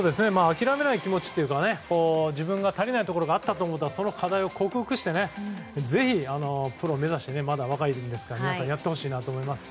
諦めない気持ちというか自分が足りないところがあったと思ったらその課題を克服してぜひプロを目指してまだ若いですからやってほしいと思います。